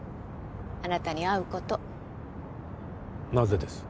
あなたに会うことなぜです？